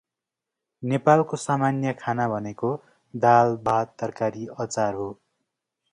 नेपालको सामान्य खाना भनेको दाल, भात, तरकारी, अचार हो।